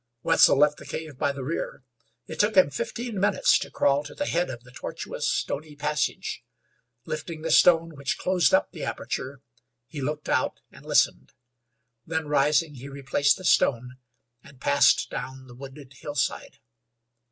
Wetzel left the cave by the rear. It took him fifteen minutes to crawl to the head of the tortuous, stony passage. Lifting the stone which closed up the aperture, he looked out and listened. Then, rising, he replaced the stone, and passed down the wooded hillside.